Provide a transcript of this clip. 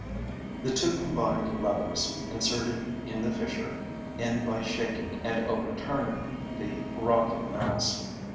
The two combined levers, inserted in the fissure, end by shaking and overturning the rocky mass.